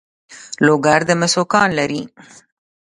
لوګر د مسو کان لري